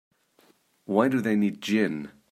Why do they need gin?